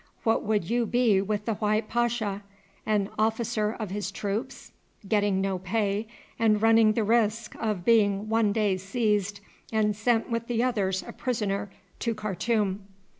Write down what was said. What would you be with the white pasha? An officer of his troops, getting no pay, and running the risk of being one day seized and sent with the others a prisoner to Khartoum."